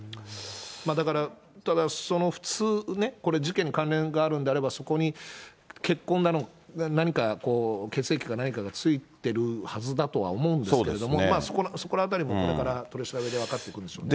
だから、普通ね、これ事件に関連があるのであれば、そこに血痕だの、何か血液か何かがついているはずだとは思うんですけれども、そこらあたりもこれから取り調べで分かってくるんでしょうね。